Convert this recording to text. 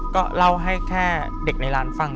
ก็เล่าให้แค่เด็กในร้านฟัง